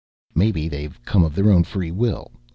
"Maybe they have come of their own will.